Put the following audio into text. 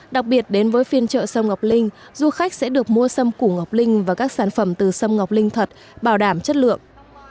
đặc biệt đến với phiên chợ sâm ngọc linh du khách sẽ được mua sâm củ ngọc linh và các sản phẩm từ sâm ngọc linh thật bảo đảm chất lượng